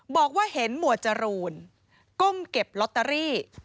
บอกว่าเห็นหมวดจรูนก้มเก็บลอตเตอรี่